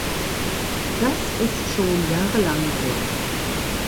Das ist schon jahrelang so.